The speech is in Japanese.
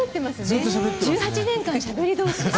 １８年間しゃべりどおし。